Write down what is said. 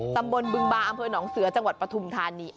ตำบลบึงบาอำเภอหนองเสือจังหวัดปฐุมธานี